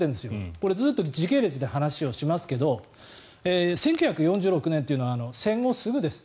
これ、ずっと時系列で話をしますけど１９４６年というのは戦後すぐです。